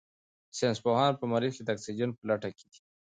ساینس پوهان په مریخ کې د اکسیجن په لټه کې دي.